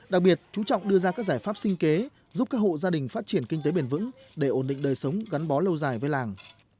đặc biệt chú trọng đưa ra các giải pháp sinh kế giúp các hộ gia đình phát triển kinh tế bền vững để ổn định đời sống gắn bó lâu dài với làng